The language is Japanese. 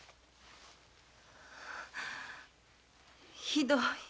ひどい。